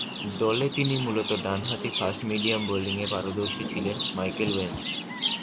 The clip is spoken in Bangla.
দলে তিনি মূলতঃ ডানহাতি ফাস্ট-মিডিয়াম বোলিংয়ে পারদর্শী ছিলেন মাইকেল ওয়েন্স।